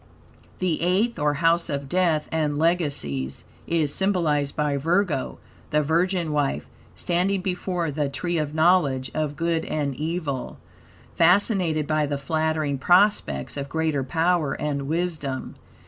The Eighth, or House of Death and Legacies, is symbolized by Virgo, the virgin wife, standing before the "Tree of Knowledge of Good and Evil," fascinated by the flattering prospects of greater power and wisdom.